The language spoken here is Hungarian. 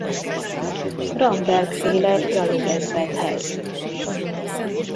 Ramberg-féle gyalogezredhez.